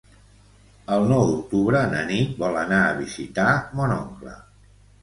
El nou d'octubre na Nit vol anar a visitar mon oncle.